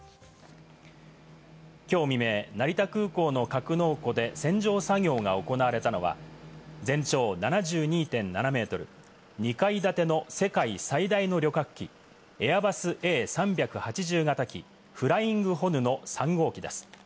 きょう未明、成田空港の格納庫で洗浄作業が行われたのは、全長７２．７ｍ、２階建ての世界最大の旅客機エアバスＡ３８０型機ＦＬＹＩＮＧＨＯＮＵの３号機です。